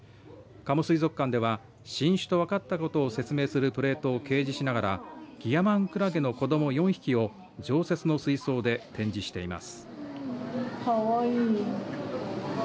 加茂水族館では新種と分かったことを説明するプレートを掲示しながらギヤマンクラゲの子ども４匹を常設の水槽で展示しています。